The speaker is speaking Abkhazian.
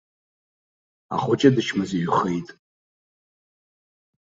Ахәыҷы дычмазаҩхеит.